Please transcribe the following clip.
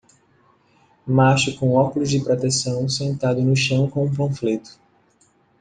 Macho com óculos de proteção sentado no chão com um panfleto.